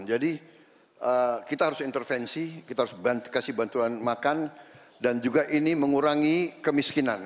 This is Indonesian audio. jadi kita harus intervensi kita harus beri bantuan makan dan juga ini mengurangi kemiskinan